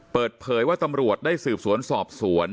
เปิดเผยว่าตำรวจได้สืบสวนสอบสวน